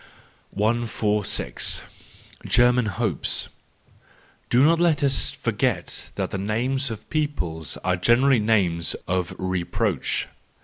146. German Hopes .— Do not let us forget that the names of peoples are generally names of reproach.